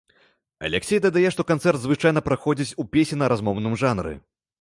Аляксей дадае, што канцэрт звычайна праходзіць у песенна-размоўным жанры.